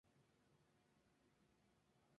Estudió la carrera de Bioquímica.